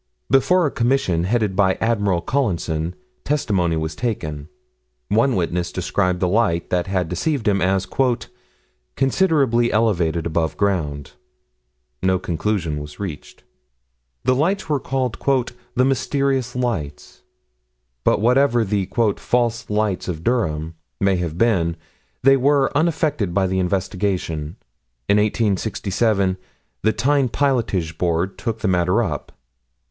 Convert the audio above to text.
Before a commission, headed by Admiral Collinson, testimony was taken. One witness described the light that had deceived him as "considerably elevated above ground." No conclusion was reached: the lights were called "the mysterious lights." But whatever the "false lights of Durham" may have been, they were unaffected by the investigation. In 1867, the Tyne Pilotage Board took the matter up.